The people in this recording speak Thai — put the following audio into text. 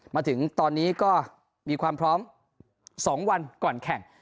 มาถึงตอนนี้ก็มีความพร้อม๒วันก่อนแข่ง